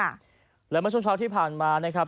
และเมื่อช่วงเช้าที่ผ่านมานะครับ